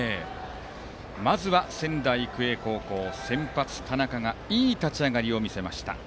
まずは仙台育英高校先発、田中がいい立ち上がりを見せました。